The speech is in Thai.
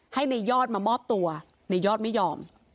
ให้ในยอดมามอบตัวในยอดไม่ยอม